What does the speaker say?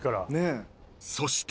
［そして］